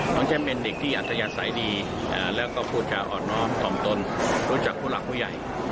แชมป์เป็นเด็กที่อัธยาศัยดีแล้วก็พูดจาอ่อนน้อมถ่อมตนรู้จักผู้หลักผู้ใหญ่